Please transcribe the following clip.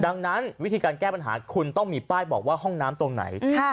ดังนั้นวิธีการแก้ปัญหาคุณต้องมีป้ายบอกว่าห้องน้ำตรงไหน